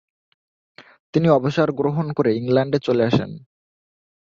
তিনি অবসর গ্রহণ করে ইংল্যান্ডে চলে আসেন।